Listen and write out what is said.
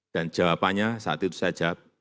dan jawabannya saat itu saya jawab